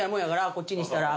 こっちにしたら」